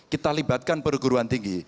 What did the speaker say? kita libatkan perguruan tinggi